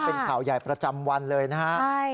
เป็นข่าวใหญ่ประจำวันเลยนะฮะ